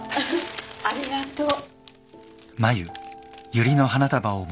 ありがとう